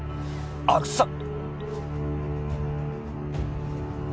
阿久津さん